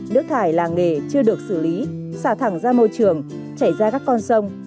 nước thải làng nghề chưa được xử lý xả thẳng ra môi trường chảy ra các con sông